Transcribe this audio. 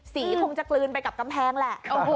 คงจะกลืนไปกับกำแพงแหละ